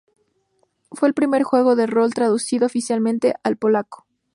Fue el primer juego de rol traducido oficialmente al polaco.